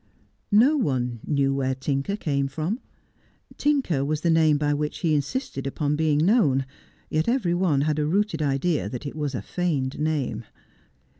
No one knew where Tinker came from. Tinker was the name by which he insisted upon being known, yet every one had a rooted idea that it was a feigned name.